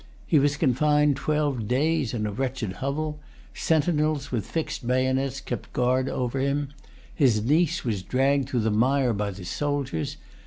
He was confined twelve days in a wretched hovel. Sentinels with fixed bayonets kept guard over him. His niece was dragged through the mire by the soldiers.